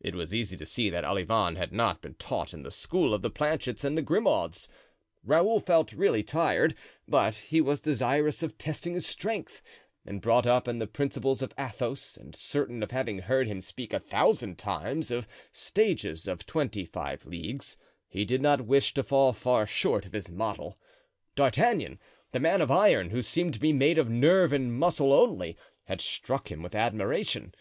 It was easy to see that Olivain had not been taught in the school of the Planchets and the Grimauds. Raoul really felt tired, but he was desirous of testing his strength, and, brought up in the principles of Athos and certain of having heard him speak a thousand times of stages of twenty five leagues, he did not wish to fall far short of his model. D'Artagnan, that man of iron, who seemed to be made of nerve and muscle only, had struck him with admiration.